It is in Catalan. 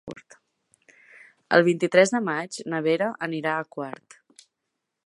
El vint-i-tres de maig na Vera anirà a Quart.